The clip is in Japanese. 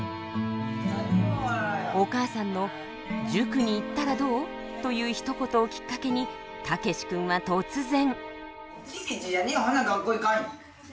お母さんの「塾に行ったらどう？」というひと言をきっかけにたけし君は突然。